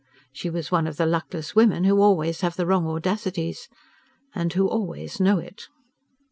She was one of the luckless women who always have the wrong audacities, and who always know it...